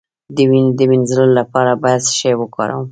د وینې د مینځلو لپاره باید څه شی وکاروم؟